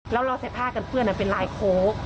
แล้วเราเซ็ปท่ากับเพรื่อนนะเป็นลายโค้ก